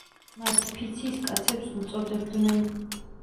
მათ „ფიცის კაცებს“ უწოდებდნენ.